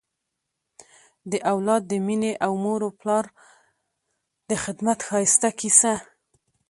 د اولاد د مینې او مور و پلار د خدمت ښایسته کیسه